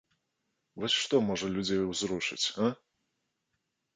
Вось што можа людзей узрушыць, а?